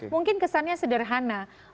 mungkin kesannya sederhana